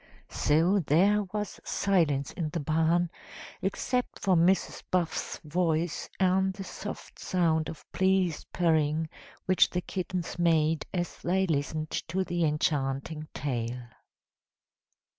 So there was silence in the barn, except for Mrs. Buff's voice and the soft sound of pleased purring which the kittens made as they listened to the enchanting tale.